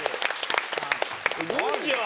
すごいじゃん。